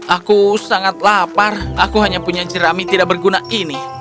aku sangat lapar aku hanya punya jerami tidak berguna ini